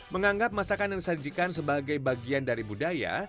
menganggap masakan yang disajikan sebagai bagian dari budaya